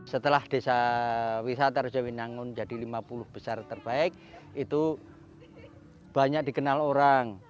setelah desa wisata rejawi nangun jadi lima puluh besar terbaik itu banyak dikenal orang